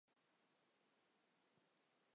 裂叶翼首花为川续断科翼首花属下的一个种。